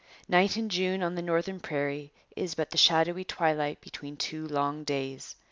Night in June on the northern prairie is but the shadowy twilight between two long days.